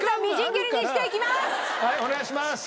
はいお願いします！